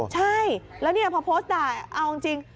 ใช่แล้วเนี่ยพอโพสต์ด่าเอาจริง